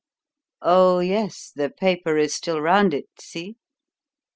Oh, yes, the paper is still round it see!"